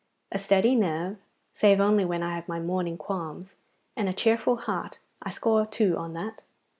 A steady nerve, save only when I have my morning qualms, and a cheerful heart; I score two on that.